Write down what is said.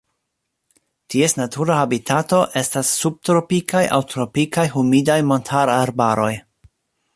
Ties natura habitato estas subtropikaj aŭ tropikaj humidaj montararbaroj.